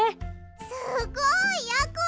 すごいやころ！